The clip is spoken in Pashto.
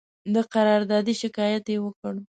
د قراردادي شکایت یې وکړ.